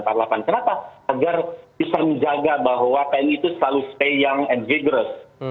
kenapa agar bisa menjaga bahwa pni itu selalu stay young and vigorous